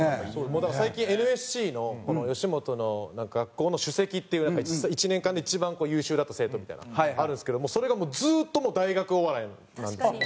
だから最近ＮＳＣの吉本の学校の首席っていう１年間で一番優秀だった生徒みたいなのあるんですけどそれがもうずっと大学お笑いなんですよ。